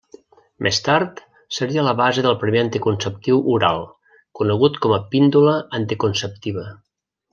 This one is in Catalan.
Més tard seria la base del primer anticonceptiu oral, conegut com a píndola anticonceptiva.